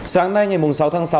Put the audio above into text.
sáng nay ngày sáu tháng sáu